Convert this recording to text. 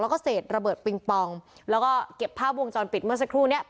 แล้วก็เศษระเบิดปิงปองแล้วก็เก็บภาพวงจรปิดเมื่อสักครู่เนี้ย